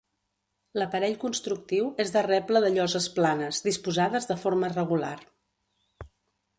L'aparell constructiu és de reble de lloses planes, disposades de forma regular.